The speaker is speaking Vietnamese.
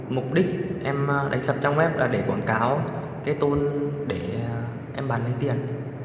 mục đích em đánh sập trang web là để quảng cáo cái tôn để em bán lấy tiền